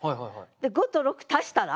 ５と６足したら？